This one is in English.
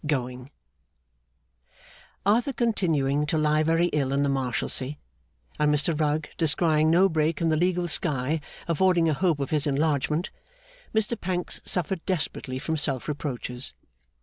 Going Arthur continuing to lie very ill in the Marshalsea, and Mr Rugg descrying no break in the legal sky affording a hope of his enlargement, Mr Pancks suffered desperately from self reproaches.